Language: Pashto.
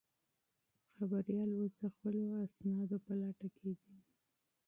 خبریال اوس د خپلو اسنادو په لټه کې دی.